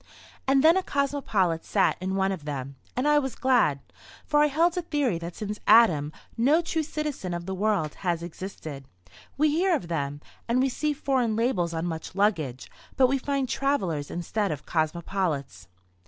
And then a cosmopolite sat in one of them, and I was glad, for I held a theory that since Adam no true citizen of the world has existed. We hear of them, and we see foreign labels on much luggage, but we find travellers instead of cosmopolites.